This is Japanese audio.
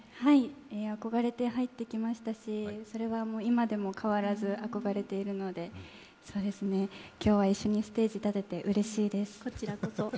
憧れて入ってきましたし、それは今でも変わらず憧れているので、今日は一緒にステージに立てて、うれしいです。